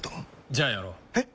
じゃあやろう。え？